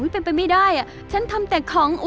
เป็นไปไม่ได้ฉันทำแต่ของ